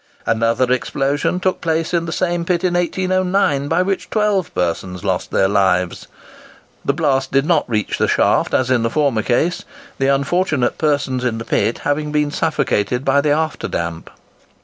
Another explosion took place in the same pit in 1809, by which 12 persons lost their lives. The blast did not reach the shaft as in the former case; the unfortunate persons in the pit having been suffocated by the after damp.